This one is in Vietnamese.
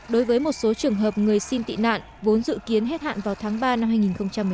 đối với một số trường hợp người xin tị nạn vốn dự kiến hết hạn vào tháng ba năm hai nghìn một mươi chín